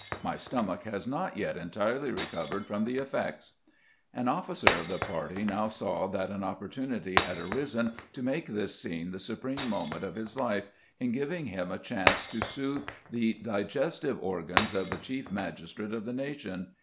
My stomach has not yet entirely recovered from the effects." An officer of the party now saw that an opportunity had arisen to make this scene the supreme moment of his life, in giving him a chance to soothe the digestive organs of the Chief Magistrate of the nation.